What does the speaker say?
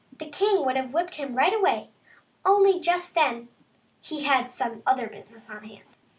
The king would have had him whipped right away, only just then he had some other business on hand.